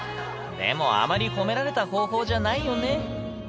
でも、あまり褒められた方法じゃないよね。